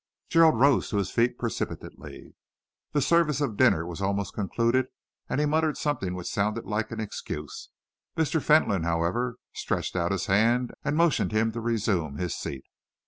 Gerald rose to his feet precipitately. The service of dinner was almost concluded, and he muttered something which sounded like an excuse. Mr. Fentolin, however, stretched out his hand and motioned him to resume his seat.